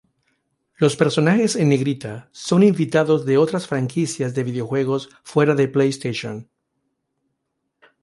Los personajes en negrita son invitados de otras franquicias de videojuegos fuera de Playstation.